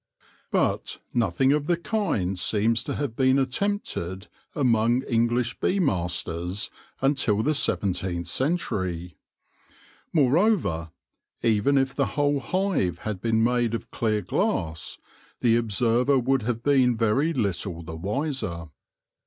But BEE MASTERS IN THE MIDDLE AGES 21 nothing of the kind seems to have been attempted among English bee masters until the seventeenth century. Moreover, even if the whole hive had been made of clear glass, the observer would have been very little the wiser.